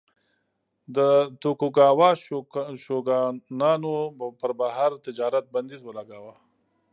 د توکوګاوا شوګانانو پر بهر تجارت بندیز ولګاوه.